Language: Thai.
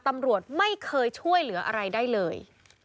ตำรวจไม่เคยช่วยเหลืออะไรได้เลย